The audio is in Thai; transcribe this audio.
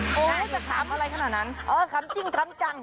จะถามอะไรขนาดนั้นเออขำจริงขำจัง